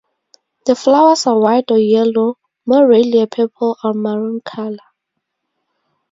The flowers are white or yellow, more rarely a purple or maroon color.